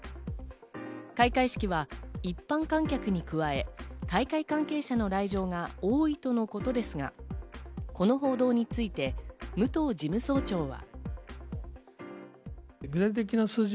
開会式は一般観客に加え、大会関係者の来場が多いとのことですが、この報道について武藤事務総長は。